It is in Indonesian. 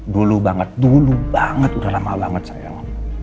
dulu banget dulu banget udah lama banget sayang